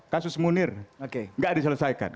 kasus munir tidak diselesaikan